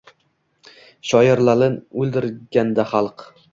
Shoirlarin oʻldirganda xalq